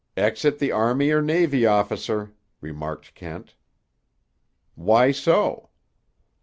"Exit the army or navy officer," remarked Kent. "Why so?"